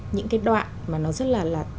những cái đoạn mà nó rất là